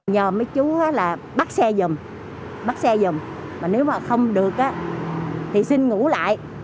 nhờ mấy chú là bắt xe dùm bắt xe dùm mà nếu mà không được thì xin ngủ lại